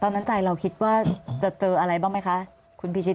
ตอนนั้นใจเราคิดว่าจะเจออะไรเอาไม่คะคุณผิชิด